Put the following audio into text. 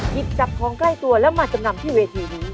หยิบจับของใกล้ตัวแล้วมาจำนำที่เวทีนี้